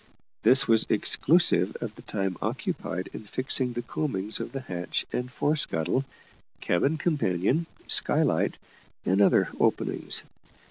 This was exclusive of the time occupied in fixing the combings of the hatch and fore scuttle, cabin companion, skylight, and other openings.